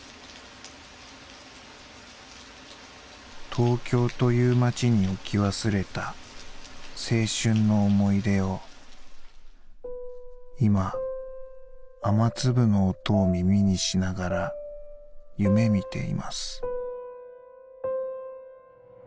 「トーキョーという街に置き忘れた青春の思い出を今雨粒の音を耳にしながら夢見ています」。